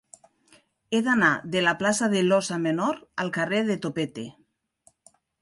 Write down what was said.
He d'anar de la plaça de l'Óssa Menor al carrer de Topete.